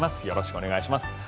よろしくお願いします。